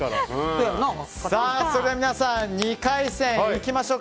それでは皆さん２回戦いきましょうか。